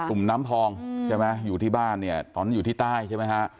ุ่มน้ำพองใช่ไหมอยู่ที่บ้านเนี่ยตอนนั้นอยู่ที่ใต้ใช่ไหมฮะ